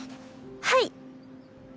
はい！